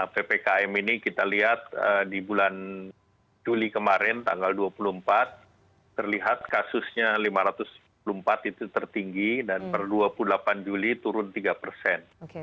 ppkm ini kita lihat di bulan juli kemarin tanggal dua puluh empat terlihat kasusnya lima ratus empat puluh empat itu tertinggi dan per dua puluh delapan juli turun tiga persen